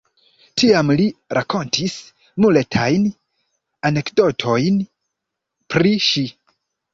Tiam li rakontis multajn anekdotojn pri ŝi.